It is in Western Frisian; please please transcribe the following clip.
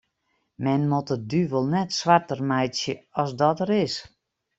Men moat de duvel net swarter meitsje as dat er is.